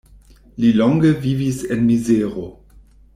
Li longe vivis en mizero.